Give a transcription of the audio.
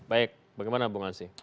baik bagaimana bu ngasih